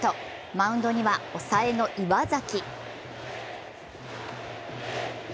マウンドには抑えの岩崎。